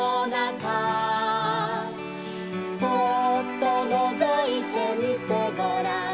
「そーっとのぞいてみてごらん」